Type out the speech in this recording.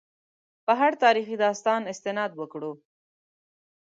په هر تاریخي داستان استناد وکړو.